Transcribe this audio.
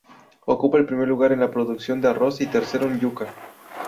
Ocupa el primer lugar en la producción de arroz y tercero en yuca.